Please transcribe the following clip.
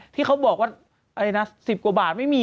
ที่เขาบอกว่าอะไรนะ๑๐กว่าบาทไม่มี